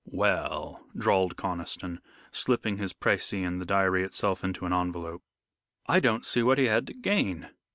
"Well," drawled Conniston, slipping his precis and the diary itself into an envelope, "I don't see what he had to gain.